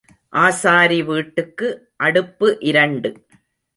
ஆசாரி வீட்டுக்கு அடுப்பு இரண்டு.